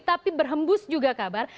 tapi berhembus juga kabar